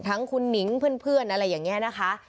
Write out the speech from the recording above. ทั้งคุณหนิงเพื่อนอะไรอย่างนี้นะคะ